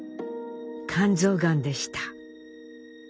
肝臓がんでした。